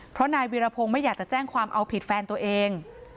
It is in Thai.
เพราะนายวีรพงศ์ไม่อยากจะแจ้งความเอาผิดแฟนตัวเอง